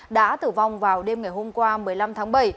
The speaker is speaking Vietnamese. đã tử vong vào đêm ngày hôm qua một mươi năm tháng bảy